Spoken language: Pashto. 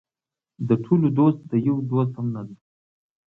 د ټولو دوست د یو دوست هم نه دی.